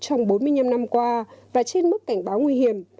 trong bốn mươi năm năm qua và trên mức cảnh báo nguy hiểm